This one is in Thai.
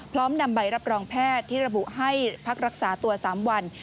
พร้อมนำใบรับรองแพทย์ที่ระบุให้พักรักษาตัว๓วัน